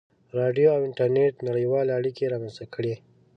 • راډیو او انټرنېټ نړیوالې اړیکې رامنځته کړې.